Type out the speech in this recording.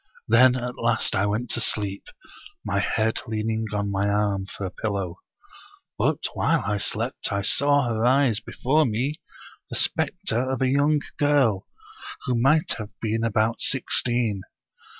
Then at last I went to sleep, my head leaning on my arm for a pillow. But while I slept I saw arise before me the specter of a young girl, who might have been about sixteen.